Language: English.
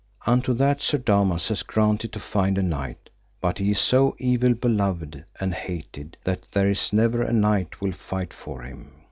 Unto that Sir Damas had granted to find a knight, but he is so evil beloved and hated, that there is never a knight will fight for him.